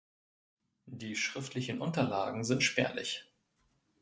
Die schriftlichen Unterlagen sind spärlich.